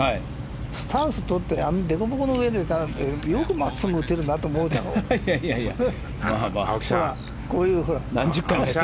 スタンスとってデコボコの上でよく真っすぐ打てるなと思うでしょ。